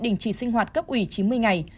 đình chỉ sinh hoạt cấp ủy chín mươi ngày